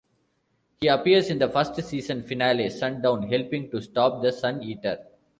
He appears in the first-season finale, "Sundown", helping to stop the Sun-Eater.